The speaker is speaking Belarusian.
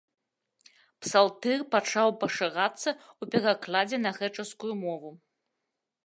Псалтыр пачаў пашырацца ў перакладзе на грэчаскую мову.